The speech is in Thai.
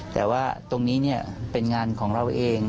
แต่ว่าตรงนี้เป็นงานของเราเอง